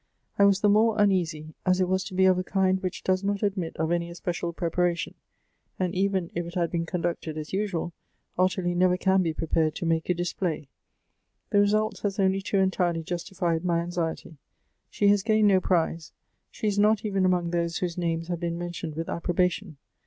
I was the more uneasy, as it was to be of a kind which does not admit of any cs])ecial preparation ; and even if it had been conducted as usual, Ottilie never can be prepared to make a display. The result has only too entirely justified my anxiety. She has gained no prize; she is not even amongst those whose names have been mentioned with approbation.